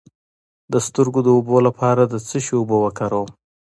د سترګو د اوبو لپاره د څه شي اوبه وکاروم؟